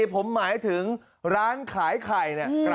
ผมหมายถึงร้านขายไข่เนี่ย